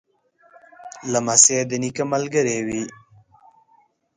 لمسی د نیکه ملګری وي.